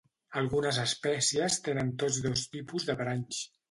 Algunes espècies tenen tots dos tipus de paranys.